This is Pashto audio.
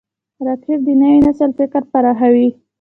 راکټ د نوي نسل فکر پراخوي